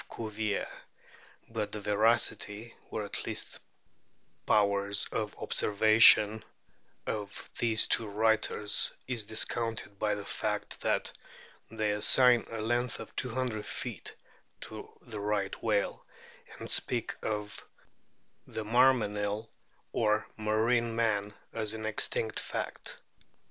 Cuvier), but the veracity, or at least powers of observation, of these two writers* is discounted by the fact that they assign a length of 200 feet to the Right whale, and speak of the Marmenill or marine man as an existing fact.